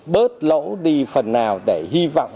bớt lỗ đi phần nào để hy vọng